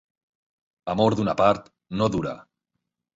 Amor d'una part, no dura.